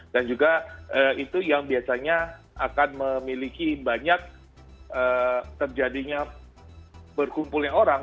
dan juga itu yang biasanya akan memiliki banyak terjadinya berkumpulnya orang